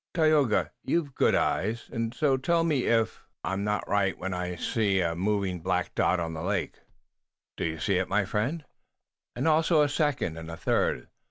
You've good eyes, and so tell me if I'm not right when I say I see a moving black dot on the lake." "You do see it, my friend, and also a second and a third.